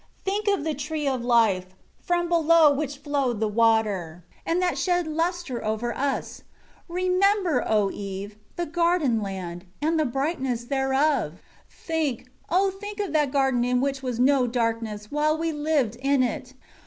Think of the Tree of Life, from below which flowed the water, and that shed lustre over us! Remember, O Eve, the garden land, and the brightness thereof! 10 Think, oh think of that garden in which was no darkness, while we lived in it.